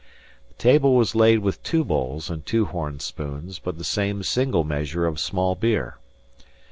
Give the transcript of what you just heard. The table was laid with two bowls and two horn spoons, but the same single measure of small beer.